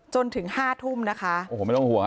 จนถึงห้าทุ่มนะคะโอ้โหไม่ต้องห่วงค่ะ